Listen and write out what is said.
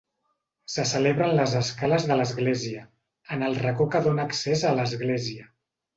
Se celebra en les escales de l'església, en el racó que dóna accés a l'església.